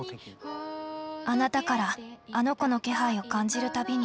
あなたからあの子の気配を感じる度に。